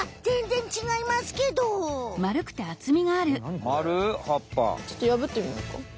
ちょっとやぶってみようか。